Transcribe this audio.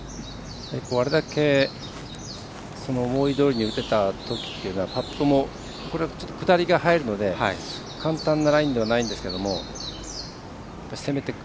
あれだけ思いどおりに打てたときというのはパットもこれは下りが入るので簡単なラインではないんですけど。